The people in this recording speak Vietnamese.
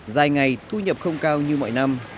dài ngày thu nhập không cao như mọi năm